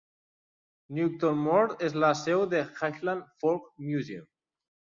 Newtonmore és la seu del Highland Folk Museum.